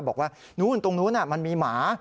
บอกว่านู้นตรงนู้นมันมีหมา